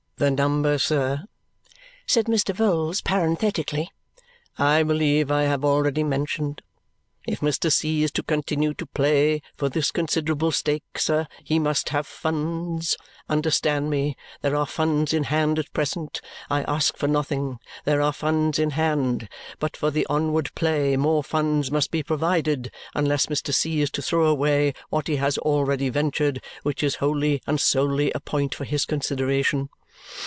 "The number, sir," said Mr. Vholes parenthetically, "I believe I have already mentioned. If Mr. C. is to continue to play for this considerable stake, sir, he must have funds. Understand me! There are funds in hand at present. I ask for nothing; there are funds in hand. But for the onward play, more funds must be provided, unless Mr. C. is to throw away what he has already ventured, which is wholly and solely a point for his consideration.